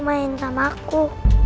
kamu main sama aku